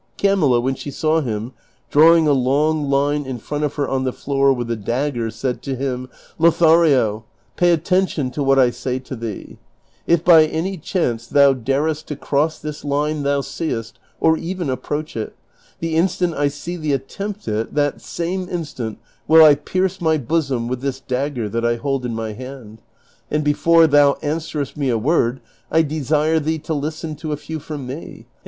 Camilla when she saw him, drawing a long; line in front of her on the floor with the dao^ofer, said to him, "Lothario, pay attention to what I say to thee: if by any chance thou darest to cross this line thou seest, or even approach it, the instant I see thee attempt it that same instant will I pierce my bosom with this dagger that I hold in my hand ; and before thou answerest me a Avord I desire thee to listen to a few fi om me, and CHAPTER XXXI V.